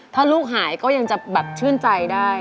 ถ้าลูกหายก็ยังจะแบบชื่นใจได้